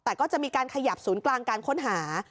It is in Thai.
แต่ก็จะมีการขยับศูนย์กลางการค้นหา